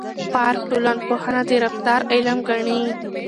پارک ټولنپوهنه د رفتار علم ګڼي.